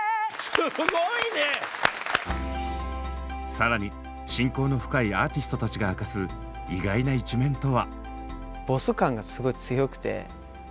さらに親交の深いアーティストたちが明かす意外な一面とは。